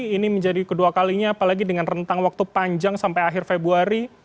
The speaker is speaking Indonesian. ini menjadi kedua kalinya apalagi dengan rentang waktu panjang sampai akhir februari